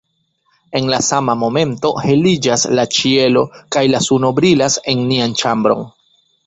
En la sama momento heliĝas la ĉielo kaj la suno brilas en nian ĉambron.